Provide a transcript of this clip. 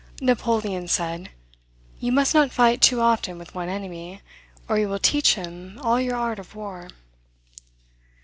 Napoleon said, "you must not fight too often with one enemy, or you will teach him all your art of war."